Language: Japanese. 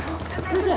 先生！